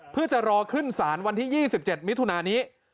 เพื่อจะรอขึ้นศาลวันที่๒๗มิถุนานี้